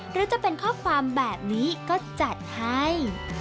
หรือจะเป็นข้อความแบบนี้ก็จัดให้